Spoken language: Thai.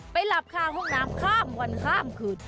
หลับข้างห้องน้ำข้ามวันข้ามคืน